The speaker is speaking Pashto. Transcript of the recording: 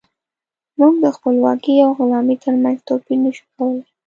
موږ د خپلواکۍ او غلامۍ ترمنځ توپير نشو کولی.